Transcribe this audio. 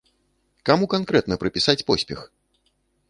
Каму канкрэтна прыпісаць поспех?